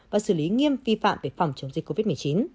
và xử lý nghiêm vi phạm về phòng chống dịch covid một mươi chín